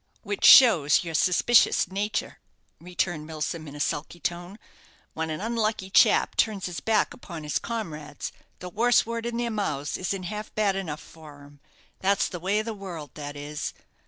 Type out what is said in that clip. "Which shows your suspicious nature," returned Milsom, in a sulky tone. "When an unlucky chap turns his back upon his comrades, the worst word in their mouths isn't half bad enough for him. That's the way of the world, that is.